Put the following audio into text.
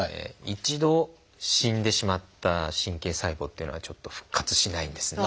一度死んでしまった神経細胞というのはちょっと復活しないんですね。